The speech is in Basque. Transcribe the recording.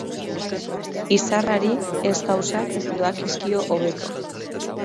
Izarrari ez gauzak doakizkio hobeto.